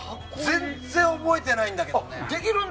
全然、覚えてないんだけど。